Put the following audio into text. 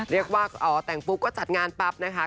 เรียกว่าแต่งปุ๊บก็จัดงานปั๊บนะคะ